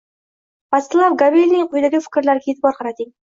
Vatslav Gavelning quyidagi fikrlariga e’tibor qarating: